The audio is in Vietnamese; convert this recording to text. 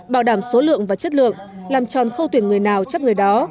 bảo đảm số lượng và chất lượng làm tròn khâu tuyển người nào chấp người đó